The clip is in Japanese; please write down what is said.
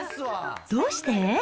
どうして？